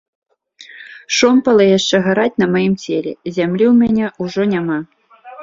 Шомпалы яшчэ гараць на маім целе, зямлі ў мяне ўжо няма.